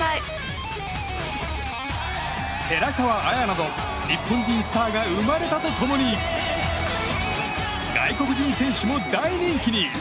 寺川綾など日本人スターが生まれたと共に外国人選手も大人気に。